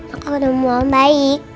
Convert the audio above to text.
aku udah mau baik